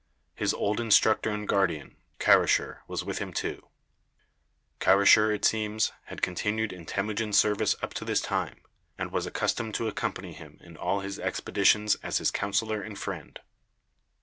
His old instructor and guardian, Karasher, was with him too. Karasher, it seems, had continued in Temujin's service up to this time, and was accustomed to accompany him in all his expeditions as his counselor and friend.